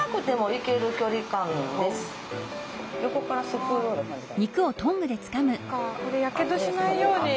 そっかこれやけどしないように。